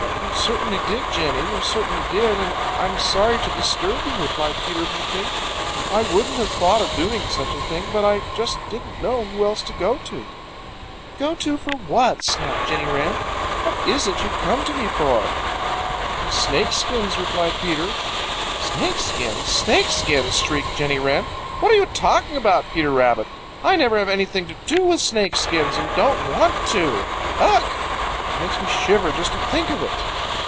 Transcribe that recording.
"You certainly did, Jenny. You certainly did, and I'm sorry to disturb you," replied Peter meekly. "I wouldn't have thought of doing such a thing, but I just didn't know who else to go to." "Go to for what?" snapped Jenny Wren. "What is it you've come to me for?" "Snake skins," replied Peter. "Snake skins! Snake skins!" shrieked Jenny Wren. "What are you talking about, Peter Rabbit? I never have anything to do with Snake skins and don't want to. Ugh! It makes me shiver just to think of it."